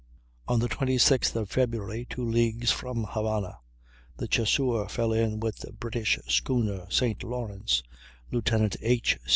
On the 26th of February, two leagues from Havana, the Chasseur fell in with the British schooner St. Lawrence, Lieut. H.